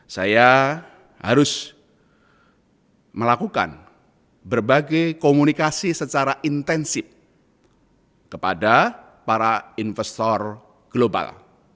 saya harus melakukan berbagai komunikasi secara intensif kepada para investor global